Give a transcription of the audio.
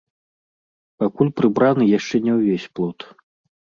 Пакуль прыбраны яшчэ не ўвесь плот.